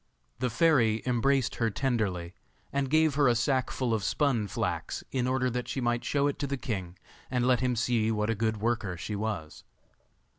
The fairy embraced her tenderly, and gave her a sack full of spun flax, in order that she might show it to the king, and let him see what a good worker she was.